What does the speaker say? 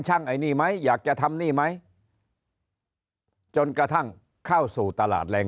ไอ้นี่ไหมอยากจะทำนี่ไหมจนกระทั่งเข้าสู่ตลาดแรง